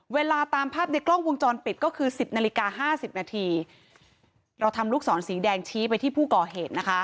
เวลาตามภาพในกล้องวงจรปิดก็คือสิบนาฬิกาห้าสิบนาทีเราทำลูกศรสีแดงชี้ไปที่ผู้ก่อเหตุนะคะ